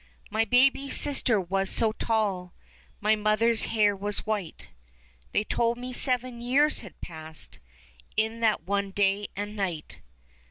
My baby sister was so tall. My mother's hair was white ; They told me seven years had passed In that one day and night.